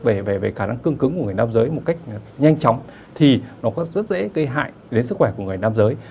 kích thích về khả năng cương cứng của người nam giới một cách nhanh chóng thì nó có rất dễ gây hại đến sức khỏe của người nam giới